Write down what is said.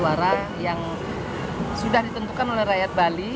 suara yang sudah ditentukan oleh rakyat bali